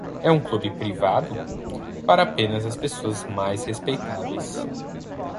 É um clube privado? para apenas as pessoas mais respeitáveis.